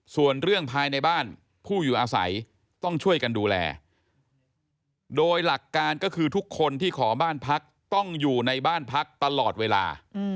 ส่วนเรื่องภายในบ้านผู้อยู่อาศัยต้องช่วยกันดูแลโดยหลักการก็คือทุกคนที่ขอบ้านพักต้องอยู่ในบ้านพักตลอดเวลา